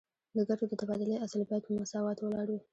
د ګټو د تبادلې اصل باید په مساواتو ولاړ وي